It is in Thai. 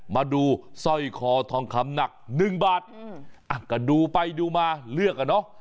มาดูซ่อยคอทองคำหนัก๑บาทอ่ะก็ดูไปดูมาเลือกกันเนอะ